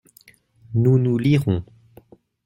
Nous, nous lirons.